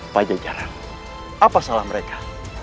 pajajaran apa salah mereka